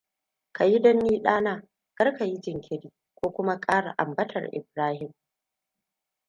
Ka yi don ni ɗana, kar ka yi jinkiri, ko kuma ƙara ambatar Ibrahim.